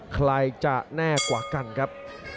ใครจะแน่กว่ากันครับ